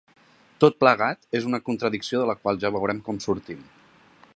Tot plegat és una contradicció de la qual ja veurem com sortim.